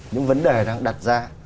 những vấn đề đang đặt ra